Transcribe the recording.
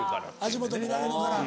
足元見られるから。